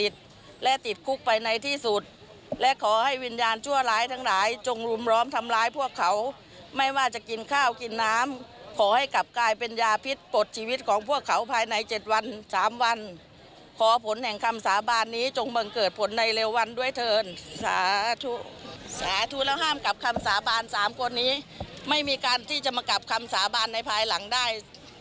สาธุและห้ามกลับคำสาบาน๓คนนี้ไม่มีการที่จะมากลับคำสาบานในภายหลังได้